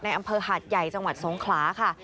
อำเภอหาดใหญ่จังหวัดสงขลาค่ะ